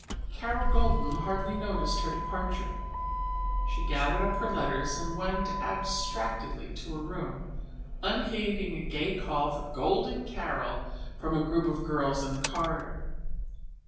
Carol Golden hardly noticed her departure. She gathered up her letters and went abstractedly to her room, unheeding a gay call for "Golden Carol" from a group of girls in the corridor.